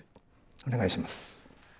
お願いします。